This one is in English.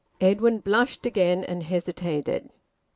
Edwin blushed again, and hesitated.